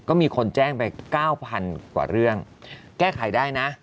ก็มีคนแจ้งไป๙๐๐กว่าเรื่องแก้ไขได้นะ